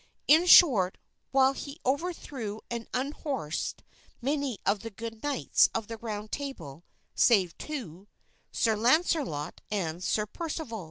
In a short while he overthrew and unhorsed many of the good knights of the Round Table, save two, Sir Launcelot and Sir Percival.